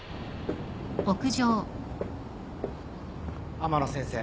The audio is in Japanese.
天野先生。